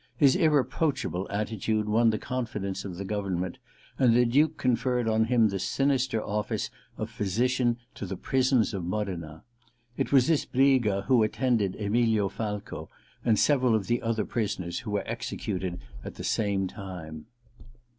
His irreproachable attitude won the confidence of 246 THE LETTER ii the government, and the Duke conferred on him the sinister office of physician to the prisons of Modena. It was this Briga who attended Emilio Falco, and several of the other prisoners who were executed at the same time.